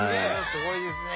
すごいですね。